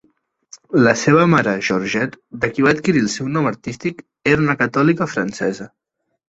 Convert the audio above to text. La seva mare, Georgette, de qui va adquirir el seu nom artístic, era una catòlica francesa.